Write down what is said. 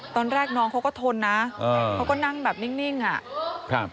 ตอนแรกน้องเขาก็ทนนะเขาก็นั่งแบบนิ่งอ่ะครับ